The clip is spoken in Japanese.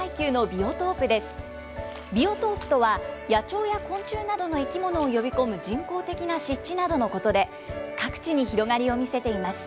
ビオトープとは、野鳥や昆虫などの生き物を呼び込む人工的な湿地などのことで、各地に広がりを見せています。